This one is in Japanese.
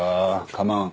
構わん。